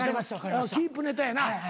キープネタやな。